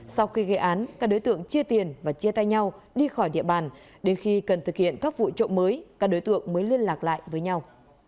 sau khi gây án các đối tượng chia tiền và chia tay nhau đi khỏi địa bàn đến khi cần thực hiện các vụ trộm mới các đối tượng mới liên lạc lại với nhau